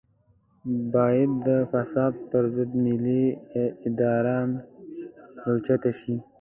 بايد د فساد پر ضد ملي اراده راوچته شي.